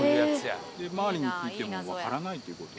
で周りに聞いてもわからないっていう事で。